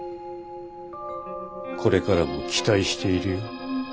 これからも期待しているよ。